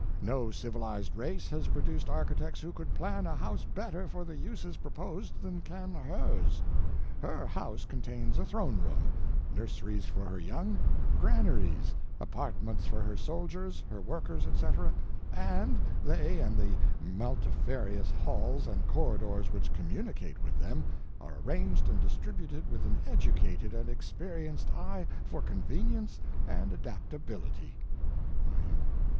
No civilized race has produced architects who could plan a house better for the uses proposed than can hers. Her house contains a throne room; nurseries for her young; granaries; apartments for her soldiers, her workers, etc.; and they and the multifarious halls and corridors which communicate with them are arranged and distributed with an educated and experienced eye for convenience and adaptability. Y.M.